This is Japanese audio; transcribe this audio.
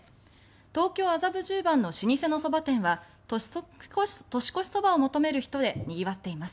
東京・麻布十番の老舗のそば店は年越しそばを求める人でにぎわっています。